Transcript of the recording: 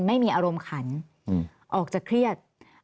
ไม่มีอารมณ์ขันออกจะเครียด